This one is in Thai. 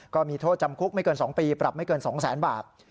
ก็มีโทษจำคุกไม่เกิน๒ปีปรับไม่เกิน๒๐๐๐๐บาท